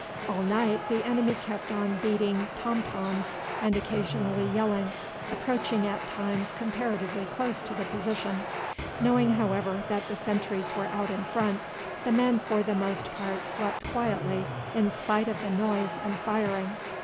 All night the enemy kept on beating tom toms and occasionally yelling, approaching at times comparatively close to the position. Knowing, however, that the sentries were out in front, the men for the most part slept quietly in spite of the noise and firing.